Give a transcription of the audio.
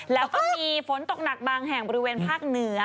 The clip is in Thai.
แล้วก็มีฝนตกหนักบางแห่งบริเวณภาคเหนือ